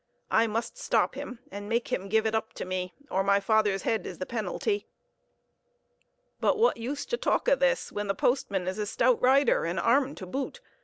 I must stop him and make him give it up to me, or my father's head is the penalty. "But what use to talk o' this, when the postman is a stout rider, and armed to boot?